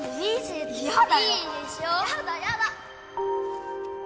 やだやだ！